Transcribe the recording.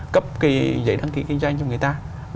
cấp cái giấy đăng ký kinh doanh cho người ta